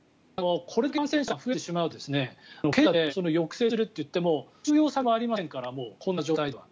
これだけ感染者が増えてしまうと検査で抑制するといっても収容先もありませんからもう、こんな状態では。